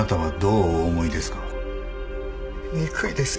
憎いですよ。